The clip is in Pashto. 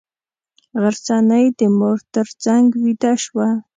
غرڅنۍ د مور تر څنګه ویده شوه.